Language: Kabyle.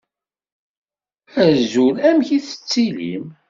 Azul, amek tettilim?